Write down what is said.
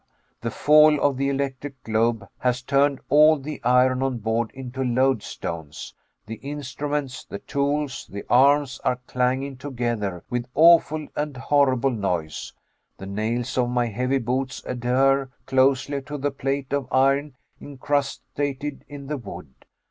The fall of the electric globe has turned all the iron on board into loadstones the instruments, the tools, the arms are clanging together with awful and horrible noise; the nails of my heavy boots adhere closely to the plate of iron incrustated in the wood.